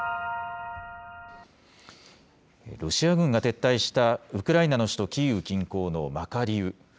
ロシア軍が撤退したウクライナの首都キーウ近郊のマカリウ。